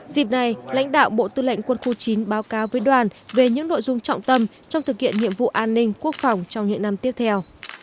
dịp này lãnh đạo bộ tư lệnh quân khu chín báo cáo với đoàn về những nội dung trọng tâm trong thực hiện nhiệm vụ an ninh quốc phòng trong những năm tiếp theo